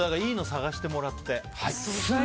いいの探してもらって。